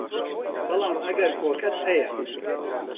بەڵام ئەگەر کۆکەت هەیە